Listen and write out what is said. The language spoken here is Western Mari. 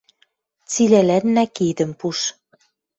Цилӓлӓннӓ кидӹм пуш.